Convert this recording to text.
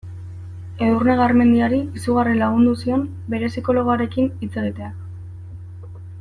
Edurne Garmendiari izugarri lagundu zion bere psikologoarekin hitz egiteak.